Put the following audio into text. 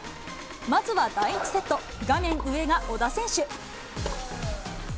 まずは第１セット、画面上が小田選手。